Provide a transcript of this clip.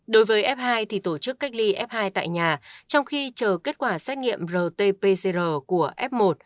đối với f hai thì tổ chức cách ly f hai tại nhà trong khi chờ kết quả xét nghiệm rt pcr của f một